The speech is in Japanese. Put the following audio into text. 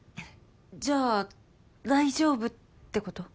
じゃあ大丈夫ってこと？